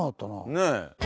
ねえ。